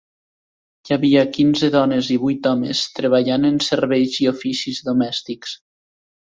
Hi havia quinze dones i vuit homes treballant en serveis i oficis domèstics.